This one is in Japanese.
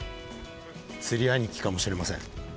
釣り兄貴かもしれません。